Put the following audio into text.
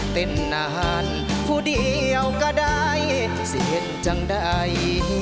เป็นนานผู้เดียวก็ได้เสียงจังใด